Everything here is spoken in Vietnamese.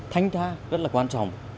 thanh tra rất là quan trọng